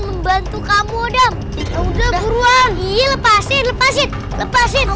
membantu kamu dam udah buruan di lepasin lepasin lepasin